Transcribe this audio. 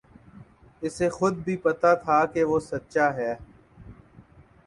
اسے خود بھی پتہ تھا کہ وہ سچا ہے